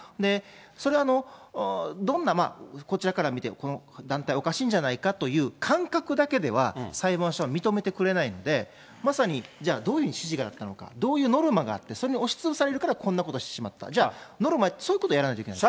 それはどんな、こちらから見て、この団体おかしいんじゃないかという感覚だけでは、裁判所は認めてくれないので、まさにじゃあ、どういうふうに指示があったのか、どういうノルマがあって、それに押しつぶされるから、こんなことをしてしまった、じゃあ、ノルマ、そういうことやらないといけない。